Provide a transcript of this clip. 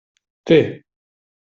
Té!